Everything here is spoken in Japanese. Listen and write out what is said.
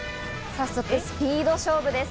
早速スピード勝負です。